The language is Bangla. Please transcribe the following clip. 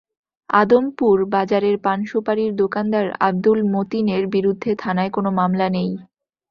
আদমপুর বাজারের পান সুপারির দোকানদার আবদুল মতিনের বিরুদ্ধে থানায় কোনো মামলা নেই।